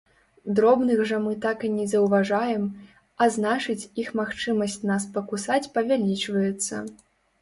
Дробных жа мы так не заўважаем, а значыць, іх магчымасць нас пакусаць павялічваецца.